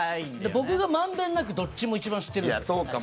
僕がまんべんなくどっちも一番知ってるんです。